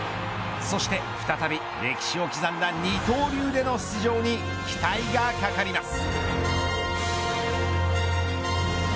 そして再び歴史を刻んだ二刀流での出場に期待が懸かります。